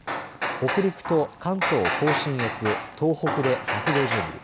北陸と関東甲信越東北で１５０ミリ